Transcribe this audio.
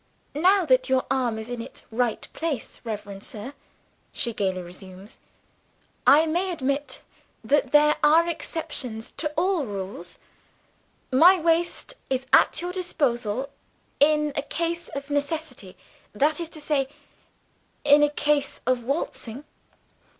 "Now that your arm is in its right place, reverend sir," she gayly resumes, "I may admit that there are exceptions to all rules. My waist is at your disposal, in a case of necessity that is to say, in a case of waltzing."